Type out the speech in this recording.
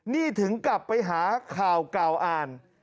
นี่ถึงกลับไปหาข่าวเก่าอ่าน